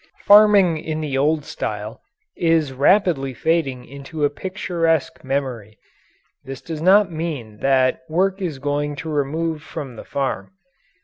Farming in the old style is rapidly fading into a picturesque memory. This does not mean that work is going to remove from the farm.